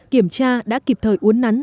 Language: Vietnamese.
kiểm tra đã kịp thời uốn nắn